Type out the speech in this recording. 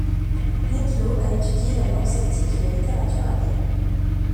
Nettlau a étudié la langue celtique et la littérature à Vienne.